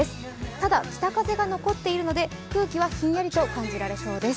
ただ、北風が残っているので空気はひんやりと感じられそうです。